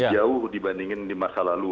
jauh dibandingin di masa lalu